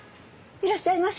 いらっしゃいませ。